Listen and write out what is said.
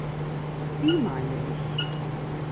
Die meine ich.